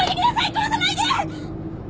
殺さないで！